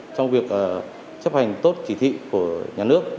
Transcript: trong việc chấp hành tốt chỉ thị của nhà nước